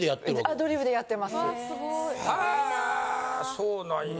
そうなんや。